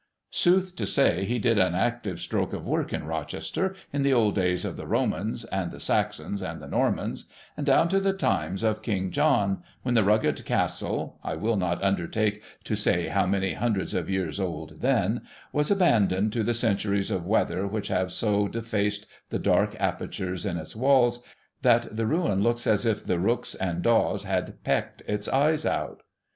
Sooth to say, he did an active stroke of work in Rochester, in the old days of the Romans, and the Saxons, and the Normans; and down to the times of King John, when the rugged castle — I will not undertake to say how many hundreds of years old then — was abandoned to the centuries of weather which have so defaced the dark apertures in its walls, that the ruin looks as if the rooks and daws had pecked its eyes out.